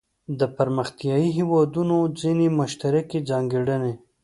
د پرمختیايي هیوادونو ځینې مشترکې ځانګړنې.